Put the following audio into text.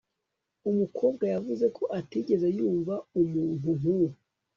Umukobwa yavuze ko atigeze yumva umuntu nkuwo